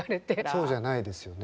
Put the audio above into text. そうじゃないですよね。